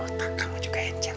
otak kamu juga ancam